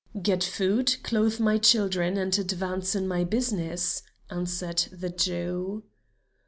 "Get food, clothe my children, and advance in my business," answered the Jew.